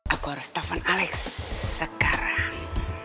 aku harus telepon alex sekarang